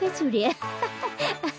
アハハアハ。